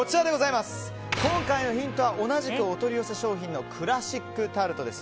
今回のヒントは同じくお取り寄せ商品のクラシックタルトです。